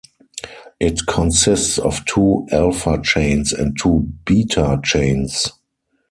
It consists of two alpha chains and two beta chains.